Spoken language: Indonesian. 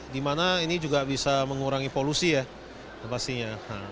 di mana ini juga bisa mengurangi polusi ya pastinya